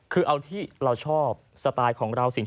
คือเอาที่เราชอบสไตล์ของเรา